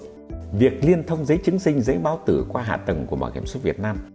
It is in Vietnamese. vì vậy việc liên thông giấy chứng sinh giấy báo tử qua hạ tầng của bảo hiểm xuất việt nam